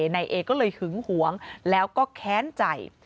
นายเอก็เลยหึงหวงแล้วก็แค้นใจ